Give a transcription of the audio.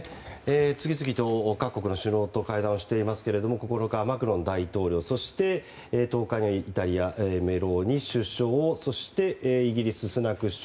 次々と各国の首脳と会談をしていますが９日はマクロン大統領そして１０日にはイタリアメローニ首相そしてイギリス、スナク首相。